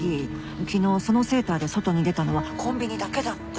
昨日そのセーターで外に出たのはコンビニだけだって。